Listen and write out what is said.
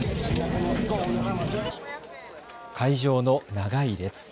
会場の長い列。